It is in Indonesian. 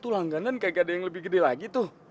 itu langganan kayak gak ada yang lebih gede lagi tuh